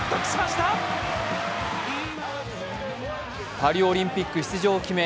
パリオリンピック出場を決め